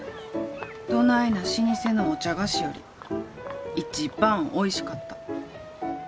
どないな老舗のお茶菓子より一番おいしかった。